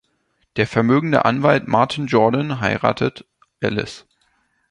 Der vermögende Anwalt Martin Jordan heiratet Alice.